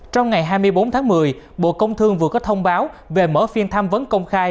trong ngày hai mươi bốn tháng một mươi bộ công thương vừa có thông báo về mở phiên tham vấn công khai